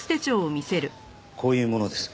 こういう者です。